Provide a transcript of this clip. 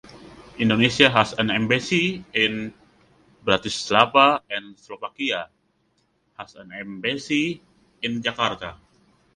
Indonesia has an embassy in Bratislava and Slovakia has an embassy in Jakarta.